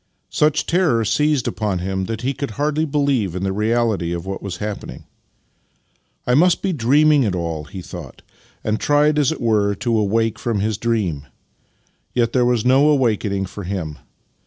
Such terror seized upon him that he could hardly believe in the reality of what was happening. " I must be dreaming it all," he thought, and tried, as it were, to awake from his dream: yet there was no awakening for him.